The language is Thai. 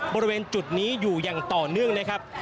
บริเวณจุดนี้อยู่อย่างต่อเนื่องนะครับ